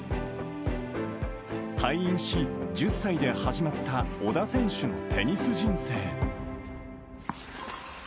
退院し、１０歳で始まった小田選手のテニス人生。